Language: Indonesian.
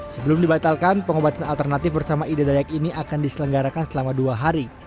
sebelum dibatalkan pengobatan alternatif bersama ida dayak ini akan diselenggarakan selama dua hari